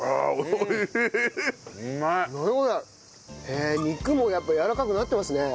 へえ肉もやっぱりやわらかくなってますね。